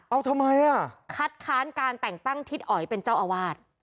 เอาทำไมอ่ะคัดค้านการแต่งตั้งทิศอ๋อยเป็นเจ้าอาวาส